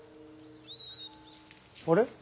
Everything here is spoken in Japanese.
あれ？